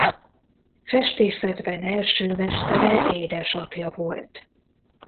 Festészetben első mestere édesapja volt.